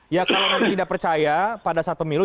ya kalau anda tidak percaya pada saat pemilu